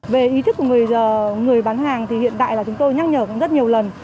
về ý thức của người bán hàng thì hiện đại là chúng tôi nhắc nhở rất nhiều lần